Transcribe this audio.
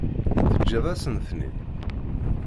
Teǧǧiḍ-asen-ten-id?